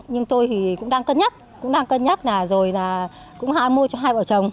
nhưng tôi thì cũng đang cân nhắc cũng đang cân nhắc là rồi là cũng mua cho hai vợ chồng